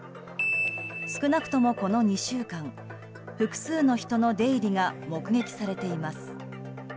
少なくとも、この２週間複数の人の出入りが目撃されています。